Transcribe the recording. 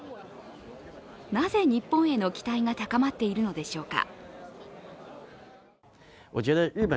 なぜ日本への期待が高まっているのでしょうか。